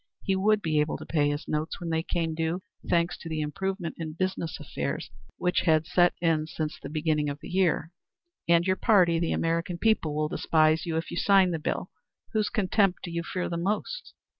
He would, be able to pay his notes when they became due, thanks to the improvement in business affairs which had set in since the beginning of the year. "And your party the American people will despise you if you sign the bill. Whose contempt do you fear the most?"